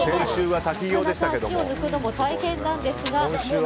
足を抜くのも大変なんですが。